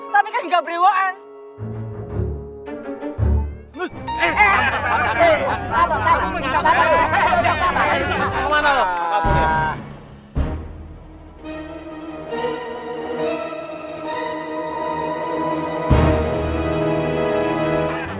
tapi kan gak berewaan